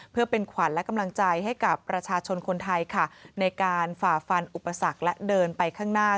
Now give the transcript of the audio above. เพื่อเป็นขวัญและกำลังใจให้กับประชาชนคนไทยค่ะในการฝ่าฟันอุปสรรคและเดินไปข้างหน้า